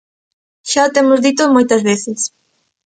Xa o temos dito moitas veces.